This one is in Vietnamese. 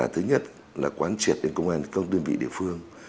thứ nhất là quán triệt đến công an các đơn vị địa phương